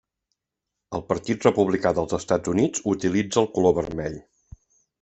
El Partit Republicà dels Estats Units utilitza el color vermell.